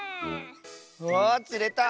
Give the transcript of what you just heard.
わつれた！